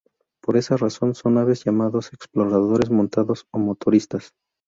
Por esa razón, son, a veces, llamados exploradores montados o motoristas.